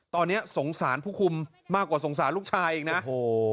ตอนนี้สงสารผู้คุมมากกว่าสงสารลูกชายอีกนะโอ้โห